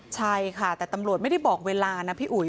ใช่ค่ะแต่ตำรวจไม่ได้บอกเวลานะพี่อุ๋ย